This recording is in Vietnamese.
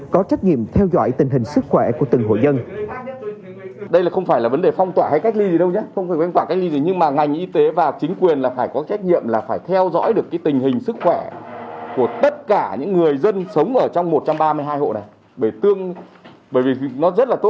có trách nhiệm theo dõi tình hình sức khỏe